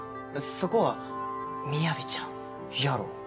そこは「みやびちゃん」やろ？